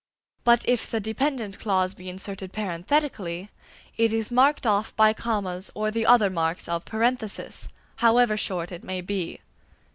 But if the dependent clause be inserted parenthetically, it is marked off by commas or the other marks of parenthesis, however short it may be.